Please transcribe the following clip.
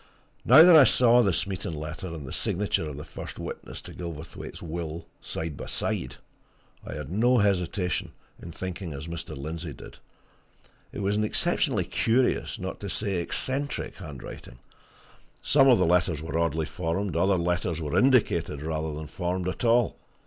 Now that I saw the Smeaton letter and the signature of the first witness to Gilverthwaite's will, side by side, I had no hesitation in thinking as Mr. Lindsey did. It was an exceptionally curious, not to say eccentric, handwriting some of the letters were oddly formed, other letters were indicated rather than formed at all.